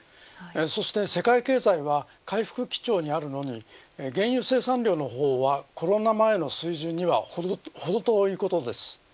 そして世界経済は回復基調にあるのに原油生産量の方はコロナ前の水準にはほど遠いことです。